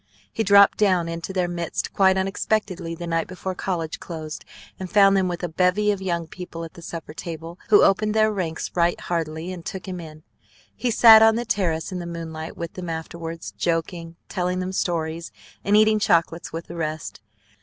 He dropped down into their midst quite unexpectedly the night before college closed, and found them with a bevy of young people at the supper table, who opened their ranks right heartily, and took him in. He sat on the terrace in the moonlight with them afterwards, joking, telling them stories, and eating chocolates with the rest.